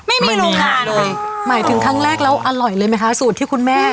ไม่มีโรงงานเลยหมายถึงครั้งแรกแล้วอร่อยเลยไหมคะสูตรที่คุณแม่